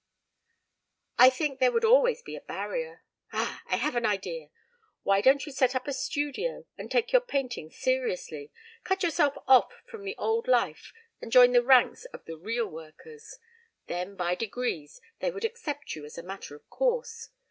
"I think there would always be a barrier. ... Ah! I have an idea. Why don't you set up a studio and take your painting seriously? Cut yourself off from the old life and join the ranks of the real workers? Then, by degrees, they would accept you as a matter of course.